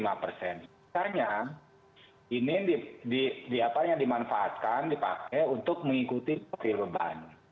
misalnya ini dimanfaatkan dipakai untuk mengikuti profil beban